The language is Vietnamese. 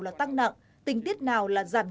là tăng nặng tình tiết nào là giảm nặng